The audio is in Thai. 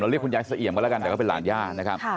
เรียกคุณยายเสี่ยมก็แล้วกันแต่ก็เป็นหลานย่านะครับ